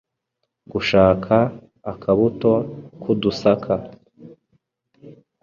gushaka akabuto k’udusaka